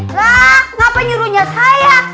hah ngapa nyuruhnya saya